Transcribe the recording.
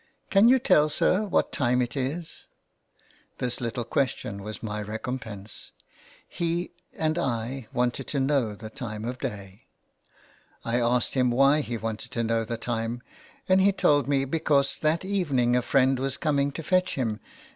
Can you tell, sir, what time it is ?" This little question was my recompense. He and I wanted to know the time of day. I asked him why he wanted to know the time, and he told me because that evening a friend was coming to fetch him.